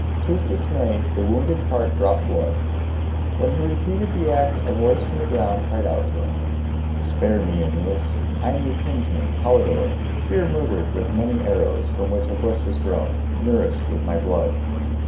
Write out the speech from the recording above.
To his dismay the wounded part dropped blood. When he repeated the act a voice from the ground cried out to him, "Spare me, Aeneas; I am your kinsman, Polydore, here murdered with many arrows, from which a bush has grown, nourished with my blood."